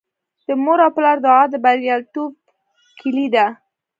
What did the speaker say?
د مور او پلار دعا د بریالیتوب کیلي ده.